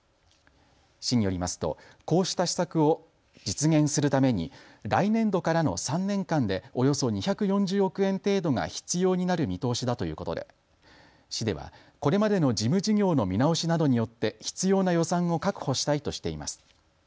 市によりますとこうした施策を実現するために来年度からの３年間でおよそ２４０億円程度が必要になる見通しだということで市ではこれまでの事務事業の見直しなどによって必要な予算を確保したいとしています。